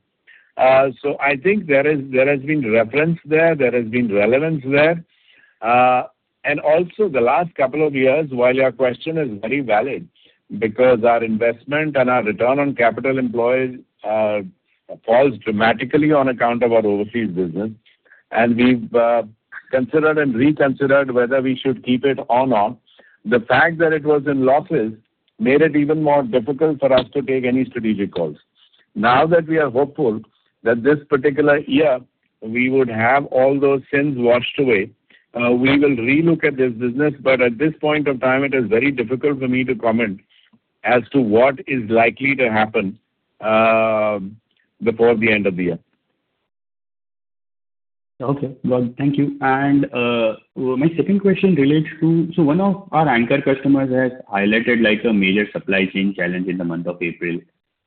I think there has been reference there has been relevance there. Also the last couple of years, while your question is very valid, because our investment and our return on capital employed falls dramatically on account of our overseas business, and we've considered and reconsidered whether we should keep it or not. The fact that it was in losses made it even more difficult for us to take any strategic calls. Now that we are hopeful that this particular year we would have all those sins washed away, we will relook at this business. At this point of time, it is very difficult for me to comment as to what is likely to happen before the end of the year. Okay. Well, thank you. My second question relates to, so one of our anchor customers has highlighted a major supply chain challenge in the month of April.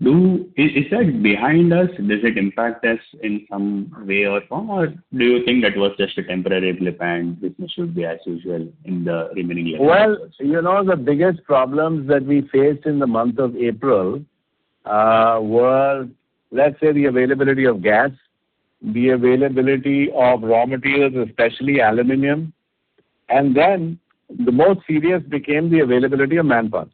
Is that behind us? Does it impact us in some way or form, or do you think that was just a temporary blip and business should be as usual in the remaining years? Well, the biggest problems that we faced in the month of April were, let's say, the availability of gas, the availability of raw materials, especially aluminum, then the most serious became the availability of manpower.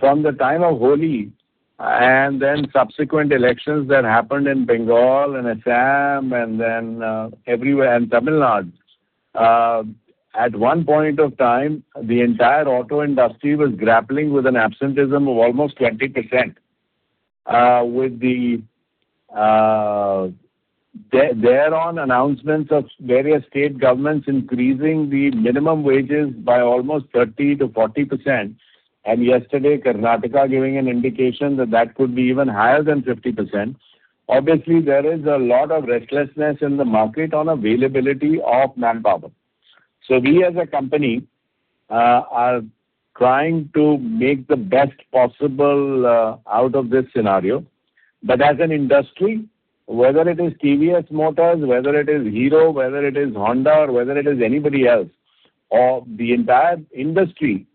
From the time of Holi then subsequent elections that happened in Bengal and Assam then everywhere in Tamil Nadu. At one point of time, the entire auto industry was grappling with an absenteeism of almost 20%, with the thereon announcements of various state governments increasing the minimum wages by almost 30%-40%, yesterday, Karnataka giving an indication that that could be even higher than 50%. There is a lot of restlessness in the market on availability of manpower. We as a company are trying to make the best possible out of this scenario. As an industry, whether it is TVS Motor Company, whether it is Hero MotoCorp, whether it is Honda, or whether it is anybody else or the entire industry,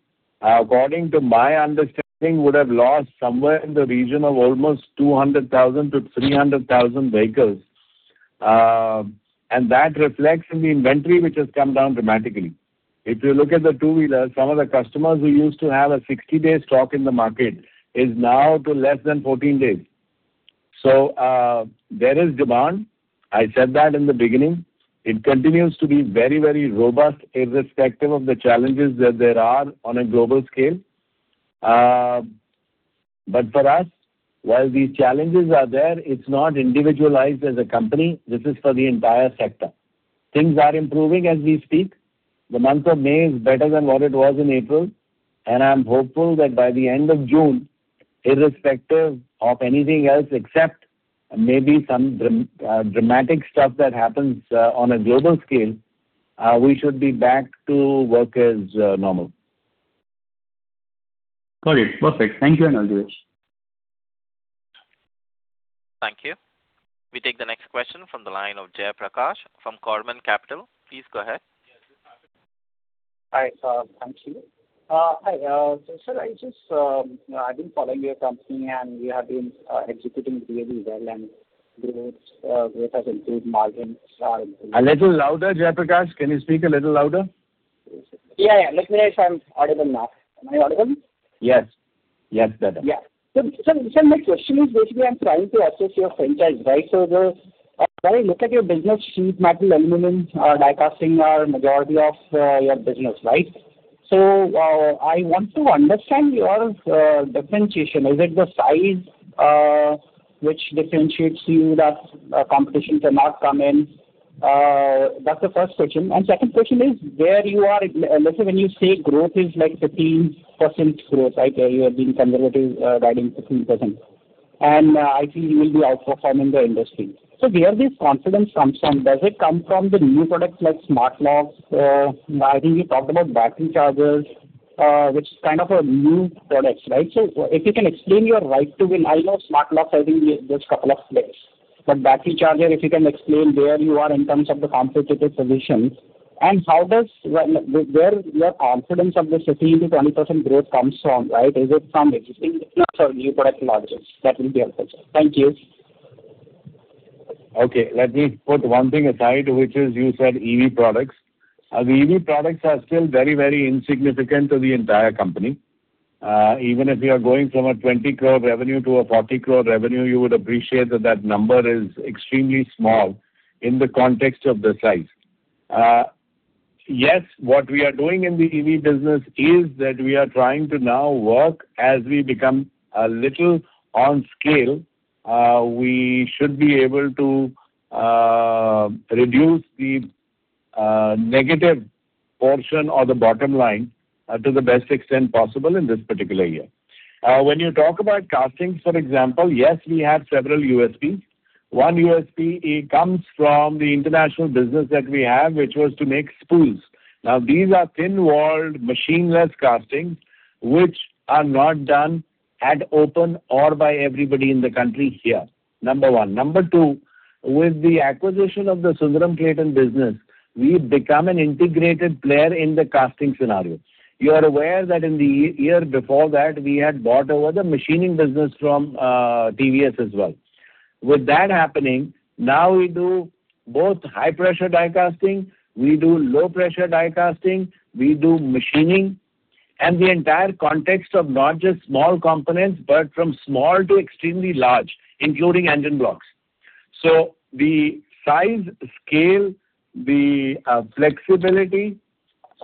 according to my understanding, would have lost somewhere in the region of almost 200,000-300,000 vehicles. That reflects in the inventory, which has come down dramatically. If you look at the two-wheeler, some of the customers who used to have a 60-day stock in the market is now to less than 14 days. There is demand. I said that in the beginning. It continues to be very, very robust, irrespective of the challenges that there are on a global scale. For us, while these challenges are there, it's not individualized as a company. This is for the entire sector. Things are improving as we speak. The month of May is better than what it was in April. I'm hopeful that by the end of June, irrespective of anything else, except maybe some dramatic stuff that happens on a global scale, we should be back to work as normal. Got it. Perfect. Thank you, Mr. Rajesh. Thank you. We take the next question from the line of Jayaprakash from Corbin Capital. Please go ahead. Hi, sir. I'm hearing. Hi. I've been following your company, and we have been executing really well. A little louder, Jayaprakash. Can you speak a little louder? Yeah, let me know if I'm audible now. Am I audible? Yes. Better. Yeah. My question is basically I'm trying to assess your franchise. When I look at your business, sheet metal, aluminum die casting are majority of your business, right? I want to understand your differentiation. Is it the size which differentiates you that competition cannot come in? That's the first question. Second question is when you say growth is 15% growth, I tell you, I've been conservative value 15%, and I feel you will be also ahead in the industry. Where this confidence comes from, does it come from the new products like smart locks? I think you talked about battery chargers, which is kind of a new product, right? If you can explain your right to win. I know Smart Key are only a couple of days, but battery charger, if you can explain where you are in terms of the competitive position, and where your confidence of the 15%-20% growth comes from, right? Is it from existing structure, new product launches? That will be helpful. Thank you. Okay. Let me put one thing aside, which is you said EV products. The EV products are still very, very insignificant to the entire company. Even if you are going from an 20 crore revenue to an 40 crore revenue, you would appreciate that that number is extremely small in the context of the size. Okay. Yes, what we are doing in the EV business is that we are trying to now work as we become a little on scale. We should be able to reduce the negative portion or the bottom line to the best extent possible in this particular year. When you talk about castings, for example, yes, we have several USPs. One USP, it comes from the international business that we have, which was to make spools. Now, these are thin-walled machine-less castings, which are not done at open or by everybody in the country here, number one. Number two, with the acquisition of the Sundaram-Clayton business, we've become an integrated player in the casting scenario. You are aware that in the years before that, we had bought over the machining business from TVS as well. With that happening, now we do both high-pressure die casting, we do low-pressure die casting, we do machining, and the entire context of not just small components, but from small to extremely large, including engine blocks. The size, scale, the flexibility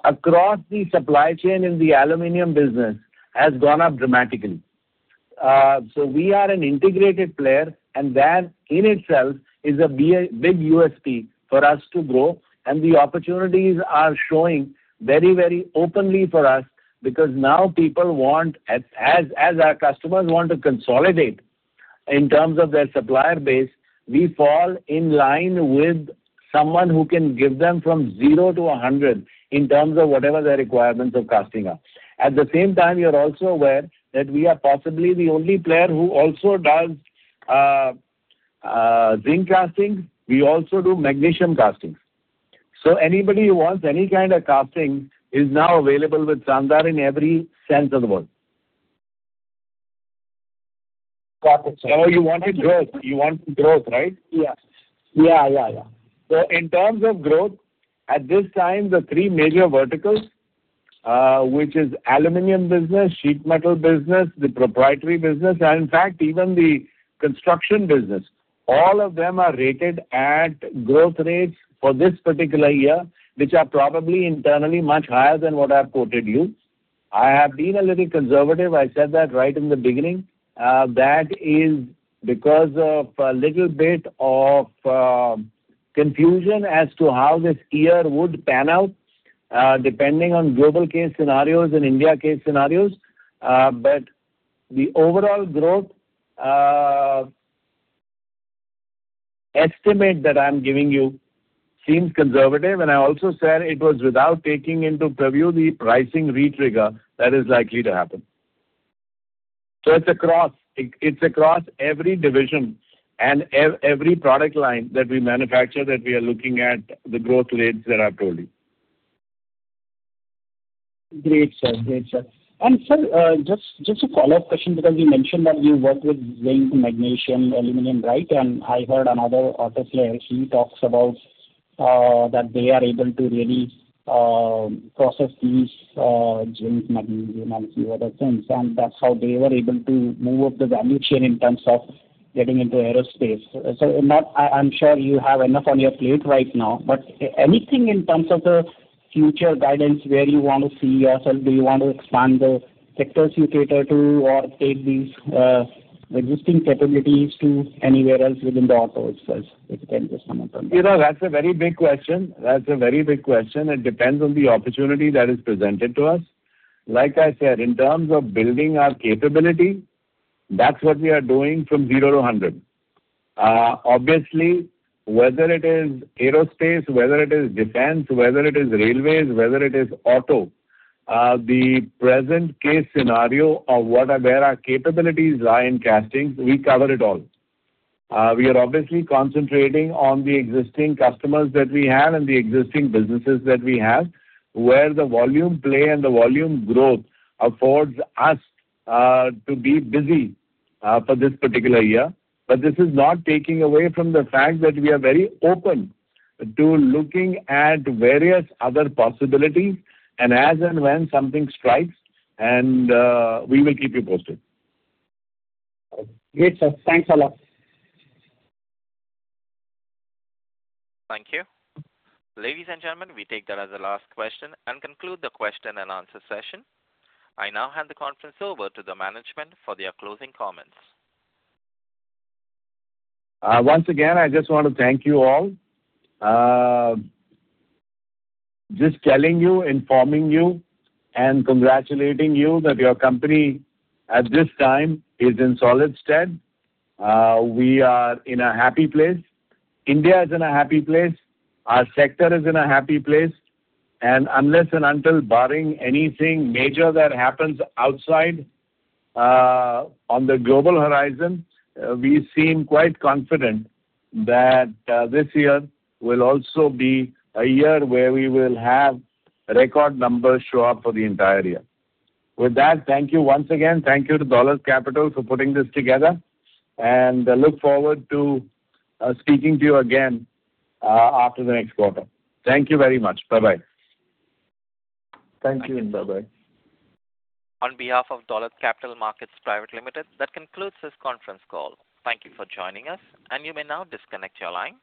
across the supply chain in the aluminum business has gone up dramatically. We are an integrated player, and that in itself is a big USP for us to grow, and the opportunities are showing very openly for us because now people want, as our customers want to consolidate in terms of their supplier base, we fall in line with someone who can give them from 0 to 100 in terms of whatever their requirements of casting are. At the same time, you're also aware that we are possibly the only player who also does zinc castings. We also do magnesium castings. Anybody who wants any kind of casting is now available with Sandhar in every sense of the word. Got it, sir. Oh, you wanted growth. You want growth, right? Yeah. Yeah. In terms of growth, at this time, the three major verticals, which is aluminum business, sheet metal business, the proprietary business, and in fact, even the construction business. All of them are rated at growth rates for this particular year, which are probably internally much higher than what I've quoted you. I have been a little conservative. I said that right in the beginning. That is because of a little bit of confusion as to how this year would pan out, depending on global case scenarios and India case scenarios. The overall growth estimate that I'm giving you seems conservative. I also said it was without taking into preview the pricing re-trigger that is likely to happen. It's across every division and every product line that we manufacture that we are looking at the growth rates that I've told you. Great, sir. Sir, just a follow-up question because you mentioned that you work with zinc, magnesium, aluminium, right? I heard another auto player, he talks about that they are able to really process these zinc, magnesium, and a few other things, and that's how they were able to move up the value chain in terms of getting into aerospace. I'm sure you have enough on your plate right now, but anything in terms of a future guidance where you want to see yourself? Do you want to expand the sectors you cater to or take these existing capabilities to anywhere else within the auto space, if I can just sum it up? That's a very big question. It depends on the opportunity that is presented to us. Like I said, in terms of building our capability, that's what we are doing from 0 to 100. Obviously, whether it is aerospace, whether it is defense, whether it is railways, whether it is auto, the present case scenario of where our capabilities lie in castings, we cover it all. We are obviously concentrating on the existing customers that we have and the existing businesses that we have, where the volume play and the volume growth affords us to be busy for this particular year. This is not taking away from the fact that we are very open to looking at various other possibilities and as and when something strikes, and we will keep you posted. Great, sir. Thanks a lot. Thank you. Ladies and gentlemen, we take that as the last question and conclude the question and answer session. I now hand the conference over to the management for their closing comments. Once again, I just want to thank you all. Just telling you, informing you, and congratulating you that your company at this time is in solid stead. We are in a happy place. India is in a happy place. Our sector is in a happy place, and unless and until barring anything major that happens outside on the global horizon, we seem quite confident that this year will also be a year where we will have record numbers show up for the entire year. With that, thank you once again. Thank you to Dolat Capital for putting this together, and I look forward to speaking to you again after the next quarter. Thank you very much. Bye-bye. Thank you. Bye-bye. On behalf of Dolat Capital Market Private Limited, that concludes this conference call. Thank you for joining us, and you may now disconnect your line.